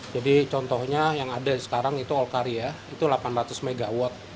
jadi contohnya yang ada sekarang itu olkaria itu delapan ratus mw